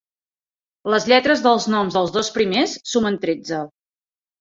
Les lletres dels noms dels dos primers sumen tretze.